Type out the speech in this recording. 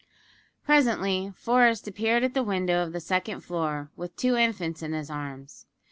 Presently Forest appeared at the window of the second floor with two infants in his arms.